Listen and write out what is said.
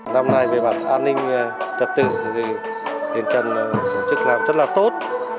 năm nay về mặt an ninh trật tự thì điện trần tổ chức làm rất là tốt